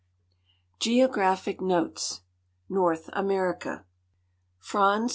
GEOGRAPHIC NOTES NORTH AMERICA Fran'z .